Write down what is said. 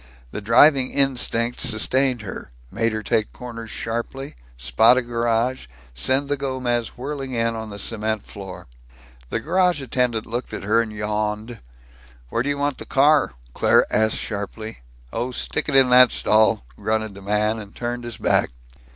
The driving instinct sustained her, made her take corners sharply, spot a garage, send the Gomez whirling in on the cement floor. The garage attendant looked at her and yawned. "Where do you want the car?" Claire asked sharply. "Oh, stick it in that stall," grunted the man, and turned his back.